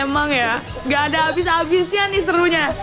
emang ya gak ada habis habisnya nih serunya